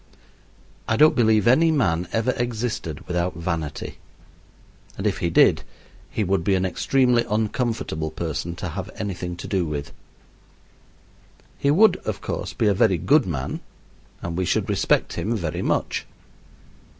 I don't believe any man ever existed without vanity, and if he did he would be an extremely uncomfortable person to have anything to do with. He would, of course, be a very good man, and we should respect him very much.